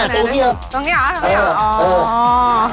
ภาพนี้คุณคุณจงจะได้ทั้งตัวเลยนะฮะ